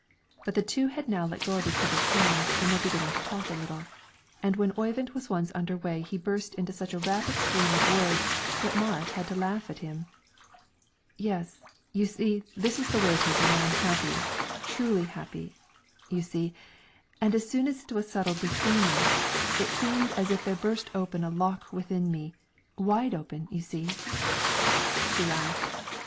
But the two had now let go of each other's hands and were beginning to talk a little. And when Oyvind was once under way he burst into such a rapid stream of words that Marit had to laugh at him. "Yes, you see, this is the way it is when I am happy truly happy, you see; and as soon as it was settled between us two, it seemed as if there burst open a lock within me wide open, you see." She laughed.